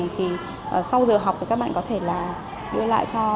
thì sau giờ học các bạn có thể là đưa lại cho các em